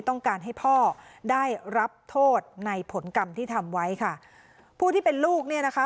ต้องการให้พ่อได้รับโทษในผลกรรมที่ทำไว้ค่ะผู้ที่เป็นลูกเนี่ยนะคะ